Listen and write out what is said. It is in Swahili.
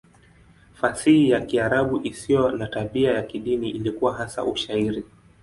Fasihi ya Kiarabu isiyo na tabia ya kidini ilikuwa hasa Ushairi.